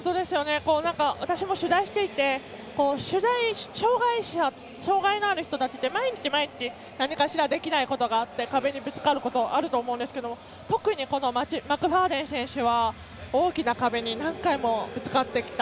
私も取材していて障がいのある人たちって毎日何かしらできないことがあって壁にぶつかることがあると思うんですが特にマクファーデン選手は大きな壁に何回もぶつかってきた。